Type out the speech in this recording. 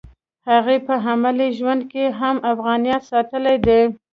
هغې په عملي ژوند کې هم افغانیت ساتلی دی